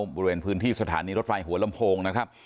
บริเวณพื้นที่สถานีรถไฟหัวลำโพงนะครับ